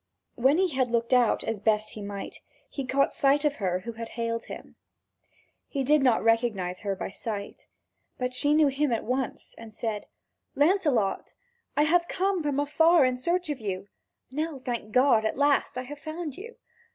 When he had looked out as best he might, he caught sight of her who had hailed him. He did not recognise her by sight. But she knew him at once and said: "Lancelot, I have come from afar in search of you. Now, thank God, at last I have found you.